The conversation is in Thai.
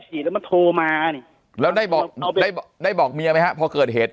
ถี่แล้วมาโทรมาแล้วได้บอกได้บอกเมียไหมครับพอเกิดเหตุ